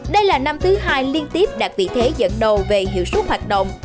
đây là năm thứ hai liên tiếp đạt vị thế dẫn đầu về hiệu suất hoạt động